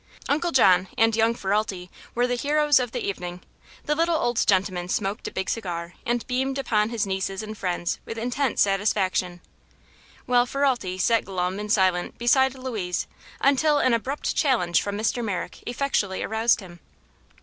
Uncle John and young Ferralti were the heroes of the evening. The little old gentleman smoked a big cigar and beamed upon his nieces and friends with intense satisfaction, while Ferralti sat glum and silent beside Louise until an abrupt challenge from Mr. Merrick effectually aroused him.